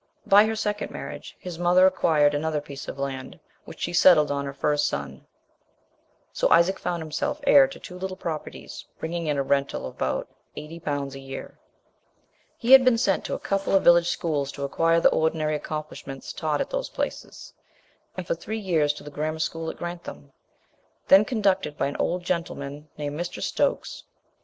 By her second marriage his mother acquired another piece of land, which she settled on her first son; so Isaac found himself heir to two little properties, bringing in a rental of about £80 a year. [Illustration: FIG. 56. Manor house of Woolsthorpe.] He had been sent to a couple of village schools to acquire the ordinary accomplishments taught at those places, and for three years to the grammar school at Grantham, then conducted by an old gentleman named Mr. Stokes.